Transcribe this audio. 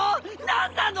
何なの！？